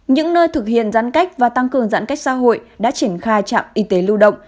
những nơi thực hiện giãn cách và tăng cường giãn cách xã hội đã triển khai trạm y tế lưu động